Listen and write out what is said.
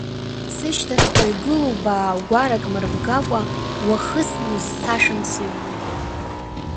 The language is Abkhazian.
Сышьҭахьҟа игылоу баагәарак мырбгакәа, уахысны узцашам сыҩныжә.